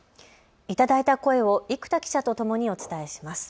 頂いた声を生田記者とともにお伝えします。